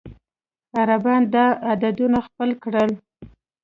عربيان دا عددونه خپل کړل.